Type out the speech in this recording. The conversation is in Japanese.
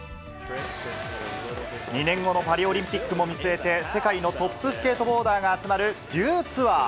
２年後のパリオリンピックも見据えて、世界のトップスケートボーダーが集まるデューツアー。